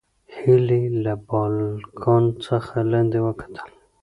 هیلې له بالکن څخه لاندې وکتل.